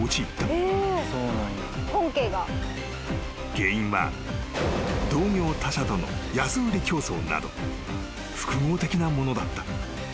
［原因は同業他社との安売り競争など複合的なものだった］